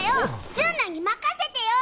純粋愛に任せてよ！